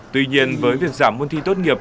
tuy nhiên với việc giảm môn thi tốt nghiệp